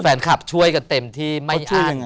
แฟนคลับช่วยกันเต็มที่ไม่อั้น